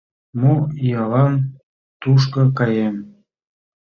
Мо иялан тушко каем?..»